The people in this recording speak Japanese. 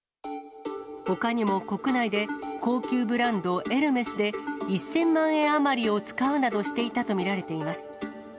ほかにも国内で、高級ブランド、エルメスで、１０００万円余りを使うなどしていたと見られています。